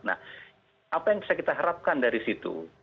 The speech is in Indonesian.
nah apa yang bisa kita harapkan dari situ